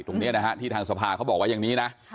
ตรงนี้นะฮะที่ทางสภาเขาบอกว่าอย่างนี้นะ